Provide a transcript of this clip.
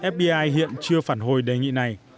fbi hiện chưa phản hồi đề nghị này